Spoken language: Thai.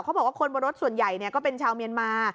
บอกว่าคนบนรถส่วนใหญ่ก็เป็นชาวเมียนมา